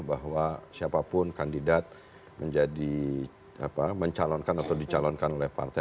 bahwa siapapun kandidat menjadi mencalonkan atau dicalonkan oleh partai